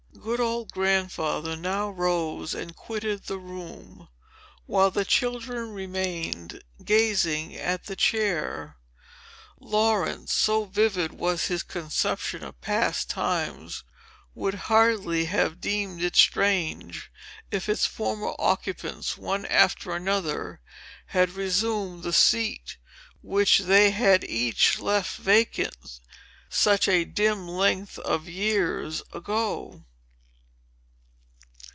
Good old Grandfather now rose and quitted the room, while the children remained gazing at the chair. Laurence, so vivid was his conception of past times, would hardly have deemed it strange, if its former occupants, one after another, had resumed the seat which they had each left vacant, such a dim length of years ago.